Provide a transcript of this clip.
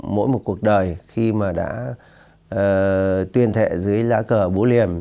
mỗi một cuộc đời khi mà đã tuyên thệ dưới lá cờ bố liềm